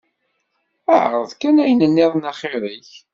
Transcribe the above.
Ԑreḍ kan ayen nniḍen axir-ik.